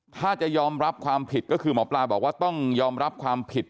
ถ้าจะยอมรับความผิดก็คือหมอปลาบอกว่าต้องยอมรับความผิด